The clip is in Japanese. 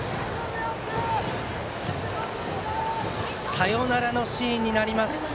サヨナラのシーンになります。